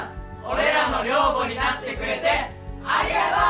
俺らの寮母になってくれてありがとう！